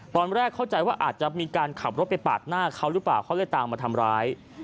ตอนแรกเข้าใจว่าอาจจะมีการขับรถไปปาดหน้าเขาหรือเปล่าเขาเลยตามมาทำร้าย